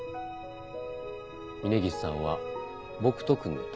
峰岸さんは僕と組んでる。